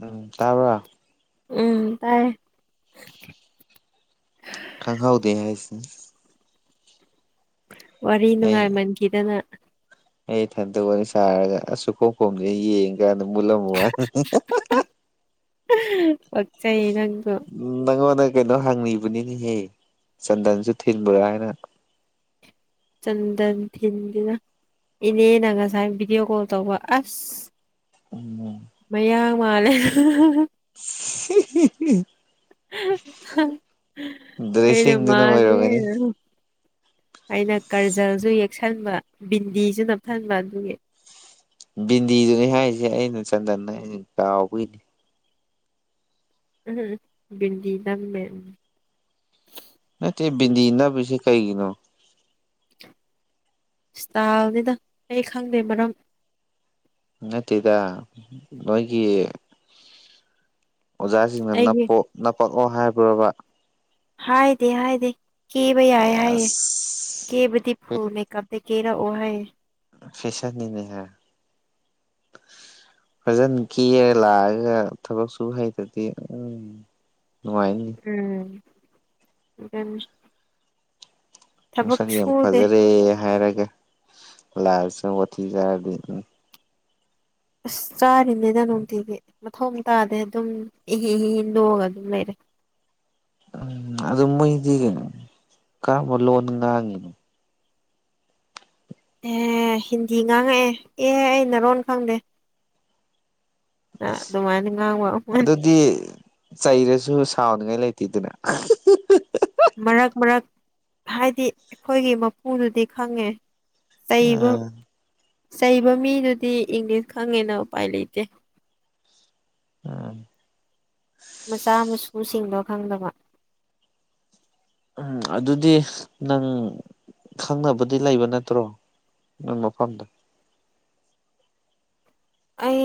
ꯎꯝ ꯇꯥꯕ ꯎꯝ ꯇꯥꯏ ꯈꯪꯍꯧꯗꯦ ꯍꯥꯏꯁꯦ ꯋꯥꯔꯤ ꯑꯩꯅ ꯅꯨꯡꯉꯥꯏꯃꯟꯈꯤꯗꯅ ꯑꯩ ꯏꯟꯇ ꯑꯣꯏꯅ ꯁꯥꯔꯒ ꯑꯁꯨ ꯈꯣꯝ ꯈꯣꯝꯁꯤꯦ ꯌꯦꯡꯀꯥꯟꯗ ꯃꯨꯜꯂꯝꯃꯨ ꯍꯥꯏ ꯍꯆ ꯎꯝ ꯅꯪ ꯃꯅꯦ ꯀꯩꯅꯣ ꯍꯪꯉꯤꯕꯅꯤꯅꯤꯍꯦ ꯆꯟꯗꯟꯁꯨ ꯊꯤꯟꯕ꯭ꯔꯥ ꯍꯥꯏꯅ ꯆꯟꯗꯟ ꯊꯤꯟꯗꯨꯅ ꯏꯅꯦꯅ ꯉꯁꯥꯏ ꯚꯤꯗꯤꯑꯣ ꯀꯣꯜ ꯇꯧꯕ ꯑꯁ ꯎꯝ ꯃꯌꯥ ꯃꯥꯜꯂꯦ [unintelligible] ꯑꯩꯩꯅ ꯗ꯭ꯔꯦꯁꯤꯡꯗꯨꯅ ꯃꯥꯅꯦ ꯑꯣꯏꯔꯝꯒꯅꯤ ꯑꯩꯅ ꯀꯔꯖꯜꯁꯨ ꯌꯦꯛꯁꯟꯕ ꯕꯤꯟꯗꯤꯁꯨ ꯅꯞꯊꯟꯕ ꯑꯗꯨꯒꯤ ꯕꯤꯟꯗꯤꯗꯨꯅꯤ ꯍꯥꯏꯁꯦ ꯑꯩꯅ ꯆꯟꯗꯟꯅ ꯑꯩꯅ ꯆꯥꯎꯥꯎꯕꯒꯤꯅꯤ ꯎꯝ ꯟꯗꯤ ꯂꯝꯃꯦ ꯕꯤꯗꯤꯅ ꯄꯁ ꯀꯩꯒꯤꯅꯣ ꯏꯁꯇꯥꯥꯏꯜꯅꯤꯗ ꯑꯩ ꯈꯪꯗꯦ ꯃꯔꯝ ꯅꯠꯇꯦꯗ ꯅꯣꯏꯒꯤ ꯑꯣꯖꯥꯁꯤꯡꯅ ꯑꯩꯒꯤ ꯅꯞꯄ ꯅꯄꯛꯂꯣ ꯍꯥꯏꯕꯔꯕ ꯍꯥꯗ ꯍꯥꯏꯗ ꯀ ꯩ ꯌꯥꯌꯦ ꯍꯥꯏ ꯑꯁ ꯀꯕꯗꯤ ꯐꯦ ꯐ ꯃ ꯀꯞ ꯀꯦꯔ ꯑꯣꯍꯌꯦ ꯐꯦꯁꯔ ꯅꯅꯦ ꯍꯥꯏ ꯐꯖꯅ ꯀꯦꯔ ꯂꯥꯛꯑꯒ ꯊꯕꯛ ꯁꯨ ꯍꯩꯇꯗꯤ ꯎꯝ ꯅꯨꯡꯉꯥꯏꯅꯤ [unintelligible] ꯊꯕꯛ ꯉꯅꯨꯡꯁꯥꯒꯤ ꯌꯥꯝ ꯁꯨꯗꯦ ꯐꯖꯔꯦ ꯍꯥꯏꯔꯒꯦ ꯂꯁ ꯑꯣꯊꯖꯔꯗꯤ ꯑꯁ ꯆꯥꯔꯤꯅꯤꯗ ꯅꯨꯡꯇꯤꯒꯤ ꯃꯊꯊꯧ ꯇꯥꯗꯦ ꯑꯗꯨꯝ ꯍꯤ ꯍꯤ ꯍꯤꯟꯗꯣꯛꯑꯒ ꯑꯗꯨꯝ ꯂꯩꯔꯦ ꯎꯝ ꯑꯗꯨ ꯑꯗꯨ ꯃꯒꯦ ꯀꯔꯝꯕꯂ ꯑꯣꯅꯤꯡꯒ ꯍꯥꯏꯅꯤ ꯑꯦ ꯍꯤꯟꯗꯤ ꯉꯥꯡꯉꯛꯑꯦ ꯑꯦ ꯑꯩ ꯅꯔꯣꯟ ꯈꯪꯗꯦ ꯑꯗꯨꯃꯥꯏꯅ ꯉꯥꯡꯕ ꯑꯗꯨꯗꯤ ꯆꯩꯔꯁꯨ ꯁꯥꯎ ꯉꯥꯏ ꯂꯩꯇꯦꯗꯅ ꯃꯔꯛ ꯃꯔꯛ ꯍꯥꯏꯗꯤ ꯑꯩꯈꯣꯏꯒꯤ ꯃꯄꯨꯗꯨꯗꯤ ꯈꯪꯉꯦ ꯆꯩꯕ ꯑꯥ ꯆꯩꯕ ꯃꯤꯗꯨꯗꯤ ꯏꯪꯂꯤꯁ ꯈꯪꯉꯦꯅ ꯎꯄꯥꯏ ꯂꯩꯇꯦ ꯑꯥ ꯃꯆꯥ ꯃꯁꯨꯁꯤꯡꯗꯣ ꯈꯪꯗꯕ ꯎꯝ ꯑꯗꯨꯗꯤ ꯅꯪ ꯈꯪꯅꯕꯗꯤ ꯂꯩꯕ ꯅꯠꯇ꯭ꯔꯣ ꯎ ꯃꯐꯝꯐꯝꯗ ꯑꯩ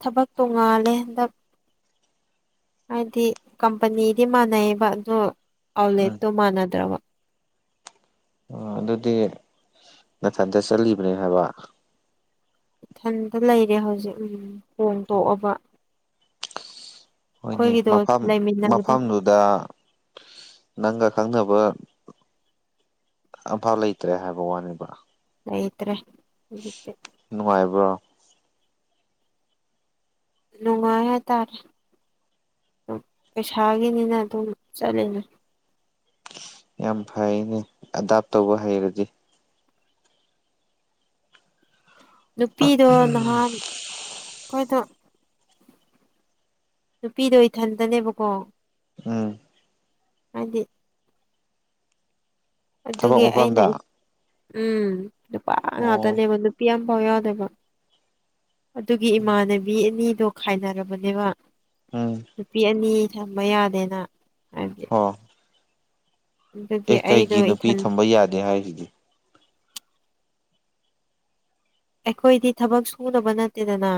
ꯊꯕꯛ ꯇꯣꯉꯥꯜꯂꯦ ꯍꯟꯗꯛ ꯍꯥꯏꯗꯤ ꯀꯝꯄꯅꯤꯗꯤ ꯃꯥꯟꯅꯩꯑꯕ ꯑꯗꯨꯣ ꯎꯝ ꯑꯥꯎꯠꯂꯦꯠꯇꯣ ꯃꯥꯟꯅꯗ꯭ꯔꯕ ꯑꯣ ꯑꯗꯨꯗꯤ ꯃꯊꯟꯇ ꯆꯠꯂꯤꯕꯅꯦ ꯍꯥꯏꯕ ꯏꯊꯟꯗ ꯂꯩꯔꯦ ꯍꯧꯖꯤꯛ ꯍꯣꯡ ꯇꯣꯛꯑꯕ ꯍꯣꯏꯅꯦ ꯃꯐꯝ ꯂꯩꯃꯤꯟꯅꯕꯗꯣ ꯃꯐꯝꯗꯨꯗ ꯅꯪꯒ ꯈꯪꯅꯕ ꯑꯝꯐꯥ ꯂꯩꯇ꯭ꯔꯦ ꯍꯥꯏꯕ ꯋꯥꯅꯦꯕ ꯑꯩꯇ꯭ꯔꯦ ꯅꯨꯡꯉꯥꯏꯕ꯭ꯔꯣ ꯅꯨꯡꯉꯥꯏ ꯇꯔ ꯝ ꯄꯩꯁꯥꯒꯤꯅꯤꯅ ꯑꯗꯨꯝ ꯆꯠꯂꯤꯅꯦ ꯌꯥꯝ ꯐꯩꯅꯦ ꯑꯗꯥꯞ ꯇꯧꯕ ꯍꯩꯔꯗꯤ ꯅꯨꯄꯤꯗꯣ ꯅꯍꯥꯟ ꯑꯩꯈꯣꯏꯗ ꯅꯨꯄꯤꯗꯣ ꯏꯊꯟꯗꯅꯦꯕꯀꯣ ꯎꯝ ꯍꯥꯏꯗꯤ ꯊꯕꯛ ꯑꯗꯨꯒꯤ ꯑꯩꯅ ꯃꯐꯝꯗ ꯎꯝ ꯅꯨꯄꯥ ꯑꯣ ꯉꯥꯛꯇꯅꯦꯕ ꯅꯨꯄꯤ ꯑꯃ ꯄꯥꯎ ꯌꯥꯎꯗꯕ ꯑꯗꯨꯒꯤ ꯏꯃꯥꯟꯅꯕꯤ ꯑꯅꯤꯗꯣ ꯈꯥꯏꯅꯔꯕꯅꯦꯕ ꯎꯝ ꯅꯨꯄꯤ ꯑꯅꯤ ꯊꯝꯕ ꯌꯥꯗꯦꯅ ꯍꯥꯏꯕꯗꯤ ꯍ ꯑꯗꯨꯒꯤ ꯑꯦ ꯑꯩꯗꯣ ꯀꯩꯒꯤ ꯅꯨꯄꯤ ꯏꯊꯟ ꯊꯝꯕ ꯌꯥꯗꯦ ꯍꯥꯏꯔꯤꯗꯤ ꯑꯩꯈꯣꯏꯗꯤ ꯊꯕꯛ ꯁꯨꯅꯕ ꯅꯠꯇꯦꯗꯅ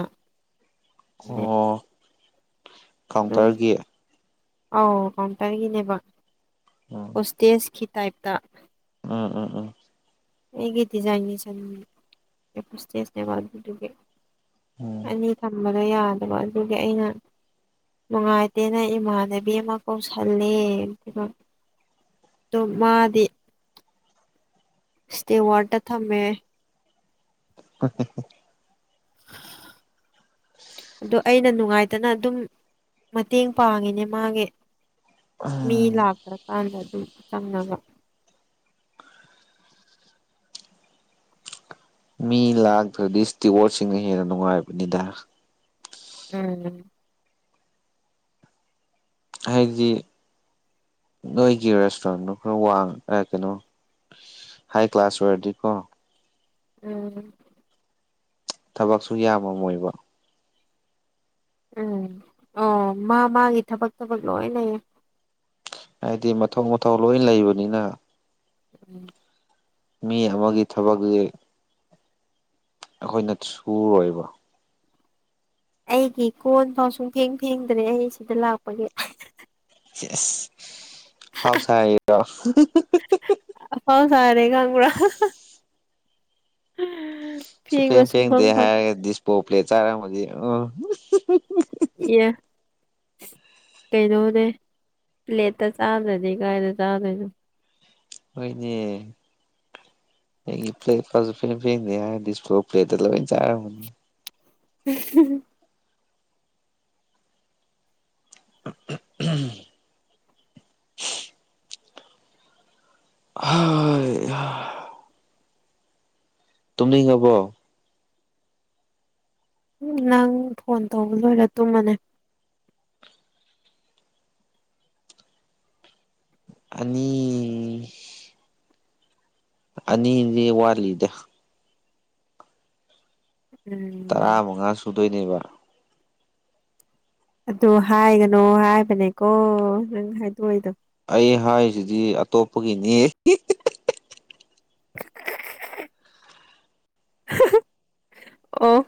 ꯑꯣ ꯑꯗꯨꯝ ꯀꯥꯎꯟꯇꯔꯒꯤ ꯑꯧ ꯀꯥꯎꯟꯇꯔꯒꯤꯅꯦꯕ ꯎꯝ ꯄꯣꯁꯇꯦꯖꯀꯤ ꯇꯥꯏꯞꯇ ꯎꯝ ꯎꯝ ꯎꯝ ꯑꯩ ꯀꯇꯥꯏꯦ ꯆ ꯄꯅꯦ ꯇꯦ ꯎꯝ ꯑꯅꯤ ꯊꯝꯕꯗꯣ ꯌꯥꯗꯕ ꯑꯗꯨꯒꯤ ꯑꯩꯅ ꯅꯨꯡꯉꯥꯏꯇꯦꯅ ꯏꯃꯥꯟꯅꯕꯤ ꯑꯃ ꯀꯧꯁꯜꯂꯦꯃꯛ ꯇꯣ ꯃꯥꯗꯤ ꯏꯁꯇꯋꯥꯔꯗ ꯊ ꯃ ꯎ ꯑꯣ ꯑꯩꯅ ꯅꯨꯡꯉꯥꯏꯇꯅ ꯑꯗꯨꯝ ꯃꯇꯦꯡ ꯄꯥꯡꯉꯤꯅꯦ ꯃꯥꯒꯤ ꯃꯤ ꯎꯝ ꯂꯥꯛꯈ꯭ꯔꯀꯥꯟꯗ ꯑꯗꯨꯝ ꯆꯪꯉꯒ ꯃꯤ ꯂꯥꯛꯇ꯭ꯔꯗꯤ ꯏꯁꯇꯤꯋꯣꯔꯠꯁꯤꯡꯅ ꯍꯦꯟꯅ ꯅꯨꯡꯉꯥꯏꯕꯅꯤꯗ ꯎꯝ ꯍꯥꯏꯗꯤ ꯅꯣꯏꯒꯤ ꯔꯦꯁꯇꯨꯔꯦꯟꯗꯨꯣ ꯈꯔ ꯋꯥꯡ ꯀꯩꯅꯣ ꯍꯥꯏ ꯀ꯭ꯂꯥꯁ ꯑꯣꯏꯔꯗꯤꯀꯣ ꯎꯝ ꯊꯕꯛꯁꯨ ꯌꯥꯝꯃꯝꯃꯣꯏꯕ ꯎꯝ ꯑꯣ ꯃꯥ ꯃꯥꯒꯤ ꯊꯕꯛ ꯊꯕꯛ ꯂꯣꯏ ꯂꯩꯌꯦ ꯍꯥꯏꯗꯤ ꯃꯊꯊꯧ ꯃꯊꯧ ꯂꯣꯏ ꯂꯩꯕꯅꯤꯅ ꯎꯝ ꯃꯤ ꯑꯃꯒꯤ ꯊꯕꯛꯁꯤ ꯑꯩꯈꯣꯏꯅ ꯁꯨꯔꯣꯏꯕ ꯑꯩꯒꯤ ꯀꯣꯟ ꯐꯥꯎ ꯁꯨꯡ ꯐꯦꯡ ꯐꯦꯡꯗ꯭ꯔꯦ ꯑꯩ ꯁꯤꯗ ꯂꯥꯛꯄꯒꯤ ꯐꯥꯎꯁꯥꯏꯔꯣ ꯑ ꯐꯥꯎ ꯁꯔꯦ ꯀꯥꯡ ꯀꯔ ꯁꯨ ꯐꯦꯡ ꯐꯦꯡꯗꯦ ꯍꯥꯏꯔꯒꯗꯤ ꯏꯁꯄꯣꯞ ꯄ꯭ꯂꯦ ꯆꯥꯔꯝꯃꯗꯤ ꯎꯝ ꯌꯦ ꯀꯩꯅꯣꯅꯦ ꯄ꯭ꯂꯦꯠꯇ ꯆꯥꯗ꯭ꯔꯅꯤ ꯀꯥꯏꯗ ꯆꯥꯗꯣꯏꯅꯣ ꯍꯣꯏꯅꯦ ꯄ꯭ꯂꯦ ꯐꯁꯨ ꯐ ꯐꯦ ꯗꯤꯁꯄ꯭ꯂꯣ ꯄ꯭ꯂꯦꯇꯂ ꯆꯥꯔꯅꯤ [inaudible] [unintelligible] [unintelligible] [unintelligible] [unintelligible] ꯇꯃꯤꯉꯕꯣ ꯅꯪ ꯐꯣꯟ ꯇꯧꯕ ꯂꯣꯏꯔ ꯇꯨꯝꯃꯅꯦ ꯑꯅꯤ ꯑꯅꯤꯗꯤ ꯋꯥꯂꯤ ꯂꯤꯗ ꯎꯝ ꯇꯔꯥ ꯃꯉꯥ ꯁꯨꯗꯣꯏꯅꯦꯕ ꯑꯗꯨ ꯍꯥꯏꯒꯅꯣ ꯍꯥꯏꯕꯅꯦꯀꯣ ꯅꯪ ꯍꯥꯏꯗꯣꯛꯏꯗ ꯑꯩ ꯍꯥꯏꯔꯤꯁꯤꯗꯤ ꯑꯇꯣꯞꯄꯒꯤꯅꯤ [inaudible] ꯑꯣ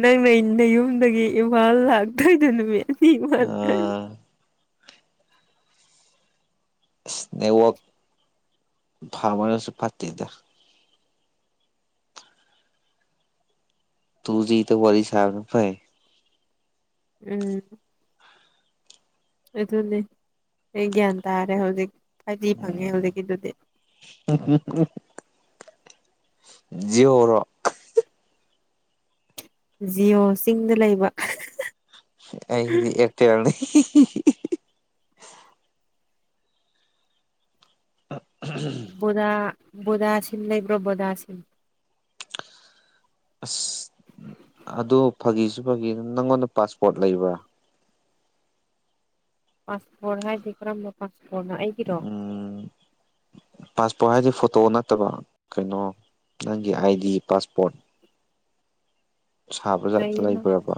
ꯅꯪꯅꯩꯅ ꯌꯨꯝꯗꯒꯤ ꯏꯝꯐꯥꯜ ꯂꯥꯛꯇꯣꯏꯗ ꯅꯨꯃꯤꯠ ꯋꯥ ꯑꯁ ꯅꯦꯋꯛ ꯐꯃꯅꯁꯨ ꯐꯠꯇꯦꯗ ꯇꯨꯖꯤꯇ ꯋꯥꯔꯤ ꯋꯥꯔꯤ ꯁꯥꯕꯅꯄꯥꯏ ꯎꯝ ꯑꯗꯨꯅꯦ ꯑꯩ ꯒ꯭ꯌꯥꯟ ꯇꯥꯔꯦ ꯍꯧꯖꯤꯛ ꯍꯥꯏꯗꯤ ꯐꯪꯉꯦ ꯍꯧꯖꯤꯛꯀꯤꯗꯨꯗꯤ [unintelligible] ꯖꯤꯌꯣꯔꯣ [unintelligible] ꯖꯤꯌꯣ ꯆꯤꯡꯗ ꯂꯩꯕ ꯑꯩꯒꯤꯗꯤ ꯑꯦꯇꯅꯤ ꯕꯨꯗꯥ ꯕꯨꯗꯥꯁꯤꯟ ꯂꯩ ꯏꯕ꯭ꯔꯣ ꯣꯗꯥꯁꯤꯟ ꯑꯁ ꯑꯗꯨ ꯐꯥꯒꯤꯁꯨ ꯐꯥꯒꯤ ꯅꯪꯉꯣꯟꯗ ꯄꯥꯁꯄꯣꯔꯠ ꯂꯩꯕ꯭ꯔꯥ ꯄꯥꯁꯄꯣꯔꯠ ꯍꯥꯏꯗꯤ ꯀꯔꯝꯕ ꯄꯥꯁꯄꯣꯔꯠꯅꯣ ꯑꯩꯒꯤꯔꯣ ꯎꯝ ꯄꯥꯁꯄꯣꯔꯠ ꯍꯥꯏꯗꯤ ꯐꯣꯇꯣ ꯅꯠꯇꯕ ꯀꯩꯅꯣ ꯅꯪꯒꯤ ꯑꯥꯏ ꯗꯤ ꯄꯥꯁꯄꯣꯔꯠ ꯁꯥꯕꯖꯥꯇ ꯂꯩꯌꯦꯅ ꯂꯩꯕ꯭ꯔꯔꯕ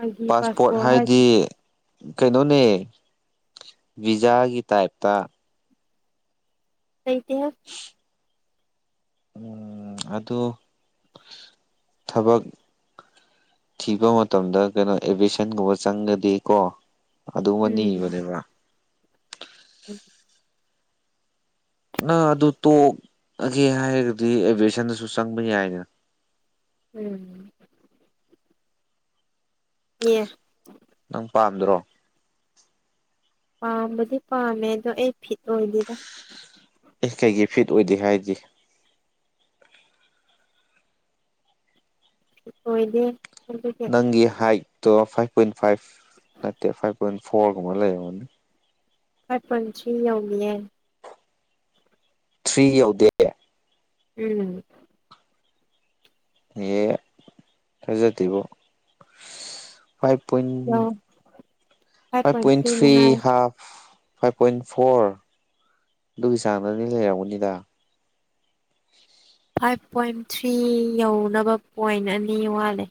ꯑꯩꯒꯤ ꯄꯥꯁꯄꯣꯠ ꯄꯥꯁꯄꯣꯔꯠ ꯍꯥꯏꯗꯤ ꯀꯩꯅꯣꯅꯦ ꯚꯤꯖꯥꯒꯤ ꯇꯥꯏꯞꯇ ꯏꯇꯤꯍꯥꯁ ꯎꯝ ꯑꯗꯨ ꯊꯕꯛ ꯊꯤꯕ ꯃꯇꯝꯗ ꯀꯩꯅꯣ ꯑꯦꯚꯦꯁꯟꯒꯨꯝꯕ ꯆꯪꯒꯗꯤ ꯀꯣ ꯑꯗꯨꯒꯕ ꯅꯤꯕꯅꯦꯕ ꯎꯝ ꯅꯪ ꯑꯗꯨ ꯇꯣꯛꯑꯒꯦ ꯍꯥꯏꯔꯒꯗꯤ ꯑꯦꯚꯦꯁꯟꯗꯁꯨ ꯆꯪꯕ ꯌꯥꯏꯅ ꯎꯝ ꯌꯦ ꯅꯪ ꯄꯥꯝꯗ꯭ꯔꯣ ꯄꯥꯝꯕꯗꯤ ꯄꯥꯝꯃꯦ ꯑꯗꯣ ꯑꯩ ꯐꯤꯠ ꯑꯣꯏꯗꯦꯗ ꯑꯦ ꯀꯩꯒꯤ ꯐꯤꯠ ꯑꯣꯏꯗꯦ ꯍꯥꯏꯔꯗꯤ ꯑꯣꯏꯗꯦ ꯑꯗꯨꯒꯤ ꯅꯪꯒꯤ ꯍꯥꯏ ꯑꯣ ꯐꯥꯏꯚ ꯄꯣꯏꯟ ꯐꯥꯏꯚ ꯅꯠꯇꯦ ꯐꯥꯏꯚ ꯄꯣꯏꯟ ꯐꯣꯔꯒꯨꯝꯕ ꯂꯩꯔꯝꯃꯅꯦ ꯍꯄꯆ ꯑꯅꯤ ꯍꯥꯏ ꯊ꯭ꯔꯤ ꯌꯧꯗꯦ ꯎꯝ ꯍ ꯍꯥꯏꯖꯗꯤꯕꯨꯣ ꯐꯥꯏꯚ ꯄꯟ ꯌꯧ ꯐꯥꯏꯚ ꯄꯣꯏꯟ ꯊꯔꯤ ꯍꯥ ꯐꯥꯏꯚ ꯄꯣꯏꯟ ꯐꯣꯔ ꯑꯗꯨꯒꯤ ꯆꯥꯡꯗꯅꯤ ꯂꯩꯔꯝꯒꯅꯤꯗ ꯐꯥꯏꯚ ꯄꯣꯏꯟ ꯊ꯭ꯔꯤ ꯌꯧꯅꯕ ꯄꯣꯏꯟ ꯑꯅꯤ ꯋꯥꯠꯂꯦ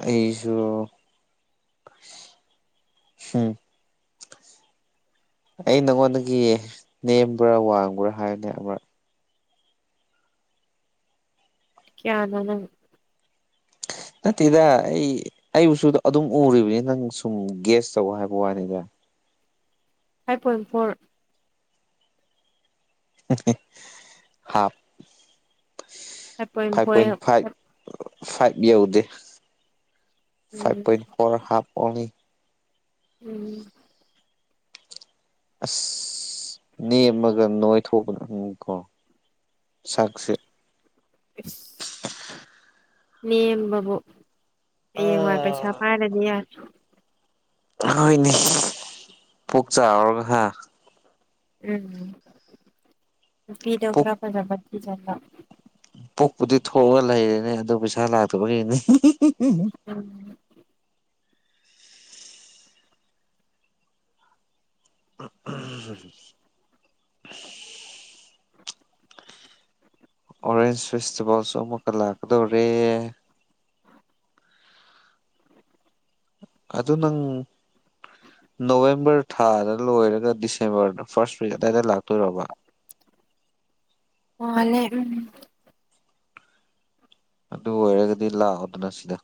ꯑꯩꯁꯨ ꯁꯤ ꯑꯩ ꯅꯉꯣꯟꯗꯒꯤ ꯅꯦꯝꯕ꯭ꯔꯥ ꯋꯥꯡꯕ꯭ꯔꯥ ꯍꯥꯏꯕꯅꯦ ꯑꯃꯛ ꯀꯌꯥꯅ [inaudible] ꯅꯠꯇꯦꯗ ꯑꯩ ꯑꯩꯕꯨꯁꯨ ꯑꯗꯨꯝ ꯎꯔꯤꯕꯅꯤ ꯅꯪ ꯁꯨꯝ ꯒꯦꯁ ꯇꯧ ꯍꯥꯏꯕ ꯋꯥꯅꯤꯗ five point four half five point five five ꯌꯧꯗꯦ ꯐꯥꯏꯚ ꯎꯝ ꯄꯣꯏꯟ ꯐꯣꯔ ꯍꯥꯞ ꯑꯣꯅꯤ ꯎꯝ ꯑꯁ ꯅꯦꯝꯃꯒ ꯅꯣꯏꯊꯣꯛꯄꯅ ꯎꯪ ꯀꯣ ꯆꯛꯁꯦ ꯏꯁ ꯅꯦꯝꯕꯕꯨ ꯍꯌꯦꯡꯋꯥꯏ ꯎꯝ ꯄꯩꯁꯥ ꯄꯥꯏꯔꯗꯤ ꯌꯥꯔ ꯍꯣꯏꯅꯦ ꯄꯨꯛ ꯆꯥꯔꯔꯒ ꯍꯥ ꯎꯝ ꯄꯨꯛ ꯐꯤꯗꯤꯣꯒ꯭ꯔꯥ ꯕꯔꯗꯤ ꯆ ꯄꯣꯛꯄꯨꯗꯤ ꯊꯣꯛꯑꯒ ꯂꯩꯔꯦꯅꯦ ꯑꯗꯨ ꯄꯩꯁꯥ ꯂꯥꯛꯇꯕꯒꯤꯅꯤ ꯎꯝ [inaudible] ꯑꯣꯔꯦꯟꯁ ꯐꯦꯁꯇꯤꯚꯦꯜꯁꯨ ꯑꯃꯨꯛꯀ ꯂꯥꯛꯀꯗꯧꯔꯦ ꯑꯗꯨ ꯅꯪ ꯅꯣꯕꯦꯝꯕꯔ ꯊꯥꯗ ꯂꯣꯏꯔꯒ ꯗꯤꯁꯦꯝꯕꯔ ꯐꯥꯔꯁꯠ ꯋꯤꯛ ꯑꯗꯥꯏꯗ ꯂꯥꯛꯇꯣꯏꯔꯣꯕ [inaudible] ꯃꯥꯟꯅꯦ ꯎꯨꯝ ꯑꯗꯨ ꯑꯣꯏꯔꯒꯗꯤ ꯂꯥꯛꯑꯣꯗꯅ ꯁꯤꯗ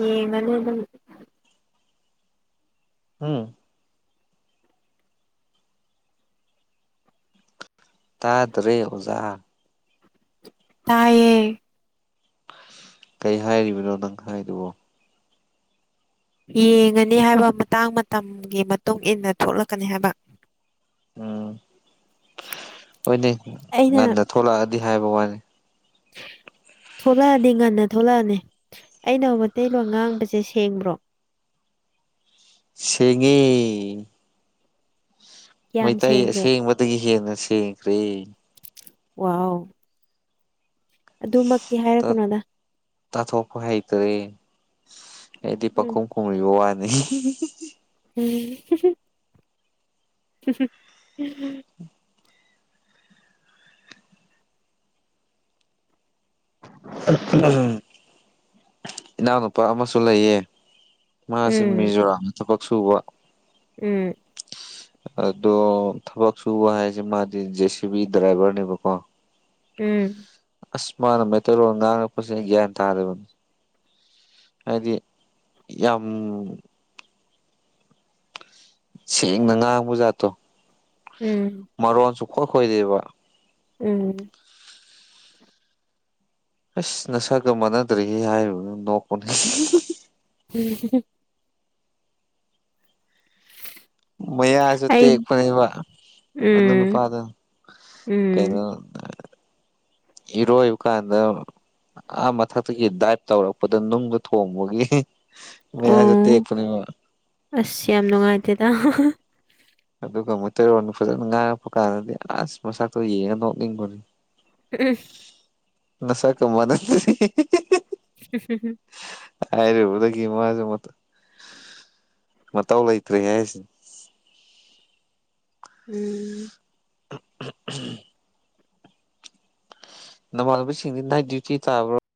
ꯑꯦ ꯃꯅꯦ ꯎꯨꯝ ꯇꯥꯗ꯭ꯔꯦ ꯑꯣꯖꯥ ꯇꯥꯏꯌꯦ ꯀꯩ ꯍꯥꯏꯔꯤꯕꯅꯣ ꯅꯪ ꯍꯥꯏꯗꯨꯕꯣ ꯌꯦꯡꯉꯅꯤ ꯍꯥꯏꯕ ꯃꯇꯥꯡ ꯃꯇꯝꯒꯤ ꯃꯇꯨꯡ ꯏꯟꯅ ꯊꯣꯛꯂꯛꯀꯅꯤ ꯍꯥꯏꯕ ꯎꯨꯝ ꯍꯣꯏꯅꯦ ꯑꯩꯅ ꯉꯟꯅ ꯊꯣꯛꯂꯛꯑꯗꯤ ꯍꯥꯏꯕ ꯋꯥꯅꯤ ꯇꯥ ꯊꯣꯛꯂꯛꯑꯗꯤ ꯉꯟꯅ ꯊꯣꯛꯂꯛꯑꯅꯤ ꯑꯩꯅ ꯃꯩꯇꯩꯂꯣꯟ ꯉꯥꯡꯕꯁꯦ ꯁꯦꯡꯕ꯭ꯔꯣ ꯁꯤꯒꯤ ꯀꯌꯥꯝ ꯃꯩꯇꯩ ꯁꯦꯡꯒꯦ ꯑꯁꯦꯡꯕꯗꯒꯤ ꯍꯦꯟꯅ ꯁꯦꯡꯈ꯭ꯔꯦ ꯋꯥꯎ ꯑꯗꯨꯃꯛꯇꯤ ꯇ ꯍꯥꯏꯔꯛꯀꯅꯣꯗ ꯇ ꯊꯣꯛꯄ ꯍꯩꯈꯔ꯭ꯦ ꯑꯩꯗꯤ ꯎꯝ ꯄꯈꯨꯝ ꯀꯨꯝꯕꯤꯕ ꯋꯥꯅꯤ ꯍꯤ ꯎꯨꯝ ꯍ ꯍ ꯎꯨꯝ ꯏꯅꯥꯎꯅꯨꯄꯥ ꯑꯃꯁꯨ ꯂꯩꯌꯦ ꯃꯥꯁꯤꯦꯢ ꯃꯤꯖꯣꯔꯥꯝꯗ ꯊꯕꯛ ꯁꯨꯕ ꯎꯨꯝ ꯑꯗꯣ ꯊꯕꯛ ꯁꯨꯕ ꯍꯥꯏꯁꯦ ꯃꯥꯗꯤ ꯖꯦ ꯁꯤ ꯕꯤ ꯗ꯭ꯔꯥꯏꯚꯔꯅꯦꯕꯀꯣ ꯎꯨꯝ ꯑꯁ ꯃꯥꯅ ꯃꯩꯇꯩꯂꯣꯟ ꯉꯥꯡꯉꯛꯄꯁꯤꯅ ꯒ꯭ꯌꯥꯟ ꯇꯥꯔꯦꯕꯅꯤ ꯍꯥꯏꯗꯤ ꯌꯥꯝ ꯁꯦꯡꯅ ꯉꯥꯡꯕꯖꯥꯠꯇꯣ ꯎꯝ ꯃꯔꯣꯟ ꯁꯨꯈꯣꯏ ꯈꯣꯏꯗꯦꯕ ꯎꯨꯝ ꯑꯁ ꯅꯁꯥꯒ ꯃꯥꯟꯅꯗ꯭ꯔꯦꯍꯦ ꯍꯥꯏꯕ ꯅꯣꯛꯄꯗ ꯎ ꯍ ꯍ ꯃꯌꯥꯁꯨ ꯑꯩ ꯇꯦꯛꯄꯅꯦꯕ ꯑꯗꯨ ꯎꯝ ꯅꯨꯄꯥꯗꯨ ꯎꯝ ꯀꯩꯅꯩꯅꯣ ꯏꯔꯣꯏꯕ ꯀꯥꯟꯗ ꯑꯥ ꯃꯊꯛꯇꯒꯤ ꯗꯥꯏꯞ ꯇꯧꯔꯛꯄꯗ ꯅꯨꯡꯗ ꯊꯣꯡꯕꯒꯤ ꯃꯌꯥꯖꯨ ꯑꯣ ꯇꯦꯛꯄꯅꯤ ꯃꯣꯏ ꯑꯁ ꯌꯥꯝ ꯅꯨꯡꯉꯥꯏꯇꯦꯗ ꯍ ꯍ ꯑꯗꯨꯒ ꯃꯤꯇꯩꯔꯣꯟꯗꯣ ꯐꯖꯅ ꯉꯥꯡꯉꯛꯄ ꯀꯥꯟꯗꯗꯤ ꯑꯁ ꯃꯁꯛꯇꯣ ꯌꯦꯡꯉ ꯅꯣꯛꯅꯤꯡꯕꯅꯤ ꯎꯨꯝ ꯅꯁꯛ ꯀ ꯃꯥꯅꯗꯦ ꯍꯦꯍꯦ ꯍ ꯍꯨꯝꯝ ꯍꯥꯏꯔꯨꯕꯗꯒꯤ ꯃꯥꯁꯨ ꯃꯠꯇ ꯃꯇꯥꯎ ꯂꯩꯇ꯭ꯔꯦ ꯍꯥꯏꯁꯤ ꯎꯨꯝ ꯎ ꯎꯨꯍ ꯎꯨꯍ ꯅꯃꯥꯟꯅꯕ ꯁꯤꯡꯗꯤ ꯅꯥꯏꯇꯤ ꯗꯨꯇꯤ ꯇꯥꯕ꯭ꯔ